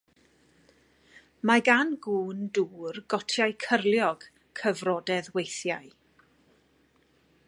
Mae gan gŵn dŵr gotiau cyrliog, cyfrodedd weithiau.